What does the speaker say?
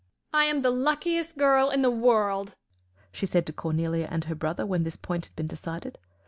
"I am the luckiest girl in the world," she said to Cornelia and her brother when this point had been decided.